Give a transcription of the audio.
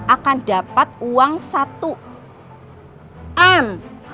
akan dapat uang satu m